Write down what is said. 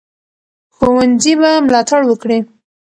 ښوونځي به ملاتړ وکړي.